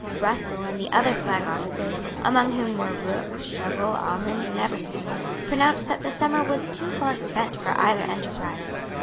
Russell and the other flag officers, among whom were Rooke, Shovel, Almonde and Evertsen, pronounced that the summer was too far spent for either enterprise.